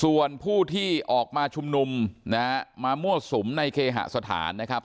ส่วนผู้ที่ออกมาชุมนุมนะฮะมามั่วสุมในเคหสถานนะครับ